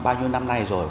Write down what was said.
bao nhiêu năm nay rồi